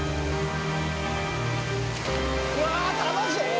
うわ楽しい！